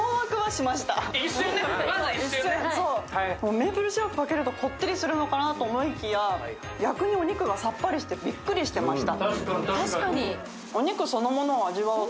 メープルシロップをかけるとこってりするのかなと思いきや、逆にお肉がさっぱりしてびっくりしました。